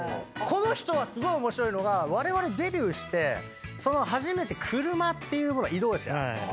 この人はすごい面白いのがわれわれデビューして初めて車っていう移動車。